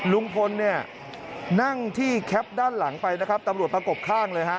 ลุงพลนั่งที่แก้ปด้านหลังไปตำรวจประกบข้างเลย